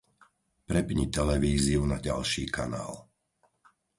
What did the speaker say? Prepni televíziu na ďalší kanál.